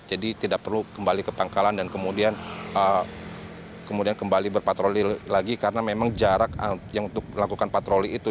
jadi tidak perlu kembali ke pangkalan dan kemudian kembali berpatroli lagi karena memang jarak yang untuk melakukan patroli itu